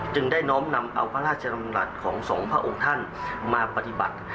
ได้น้อมนำเอาพระราชดำรัฐของสองพระองค์ท่านมาปฏิบัติ